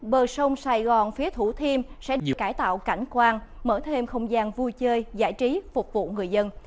bờ sông sài gòn phía thủ thiêm sẽ được cải tạo cảnh quan mở thêm không gian vui chơi giải trí phục vụ người dân